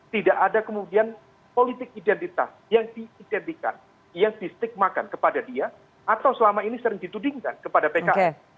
tidak ada kemudian politik identitas yang diidentikan yang distigmakan kepada dia atau selama ini sering ditudingkan kepada pks